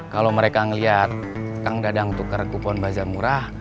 kalau mereka ngelihat kang dadang tuker kupon bazaar murah